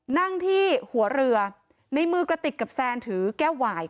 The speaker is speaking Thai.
นั่งที่หัวเรือในมือกระติกกับแซนถือแก้วหวาย